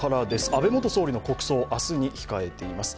安倍元総理の国葬、明日に控えています。